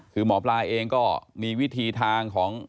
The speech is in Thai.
คือหมอปลาเองก็มีวิธีทางของ